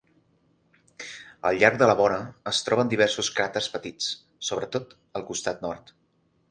Al llarg de la vora es troben diversos craters petits, sobretot al costat nord.